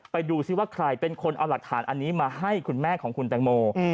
ไปดูซิว่าใครเป็นคนเอาหลักฐานอันนี้มาให้คุณแม่ของคุณแตงโม